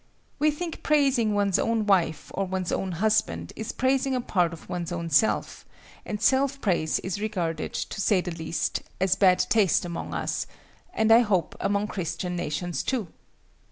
We think praising one's own wife or one's own husband is praising a part of one's own self, and self praise is regarded, to say the least, as bad taste among us,—and I hope, among Christian nations too!